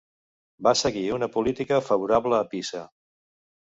Va seguir una política favorable a Pisa.